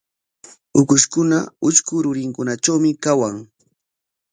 Ukushkuna utrku rurinkunatrawmi kawan.